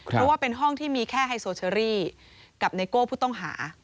เพราะว่าเป็นห้องที่มีแค่ไฮโซเชอรี่กับไนโก้ผู้ต้องหา